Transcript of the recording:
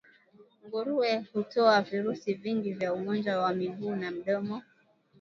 Nguruwe hutoa virusi vingi vya ugonjwa wa miguu na midomo